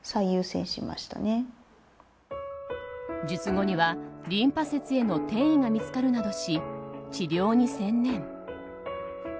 術後にはリンパ節への転移が見つかるなどし、治療に専念。